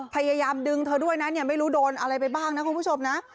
พยายามดึงเธอด้วยนะเนี่ยไม่รู้โดนอะไรไปบ้างนะคุณผู้ชมนะ